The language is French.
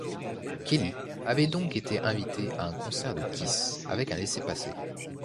Kelly avait donc été invité à un concert de Kiss avec un laissez-passer.